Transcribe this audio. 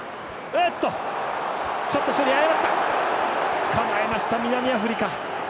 つかまえました南アフリカ。